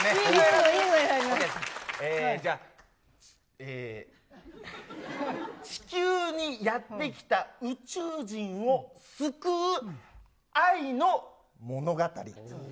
じゃあ、えー、地球にやって来た宇宙人を救う愛の物語。